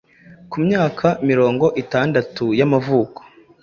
ku myaka mirongo itandatu y’amavuko,